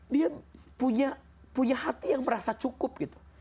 dia punya hati yang merasa cukup gitu